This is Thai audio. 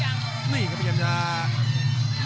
นี่ครับพยายามจะ